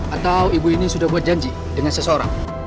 atau ibu ini sudah buat janji dengan seseorang